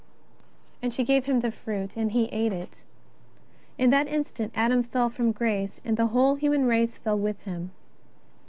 And she gave him the fruit, and he ate it. In tha'j instant Adam fell from grace and the whole human race fell with him.